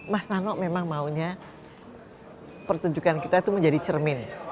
mas nano memang maunya pertunjukan kita itu menjadi cermin